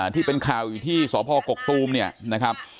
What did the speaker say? ที่เป็นข่าวอยู่ที่สพกกตูมเนี่ยนะครับ